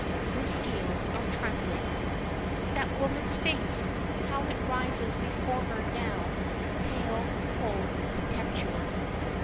The scales are trembling. That woman's face! How it rises before her now, pale, cold, contemptuous.